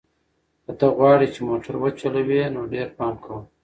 که ته غواړې چې موټر وچلوې نو ډېر پام کوه.